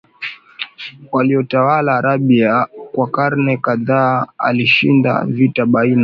waliotawala Arabia kwa karne kadha alishinda vita baina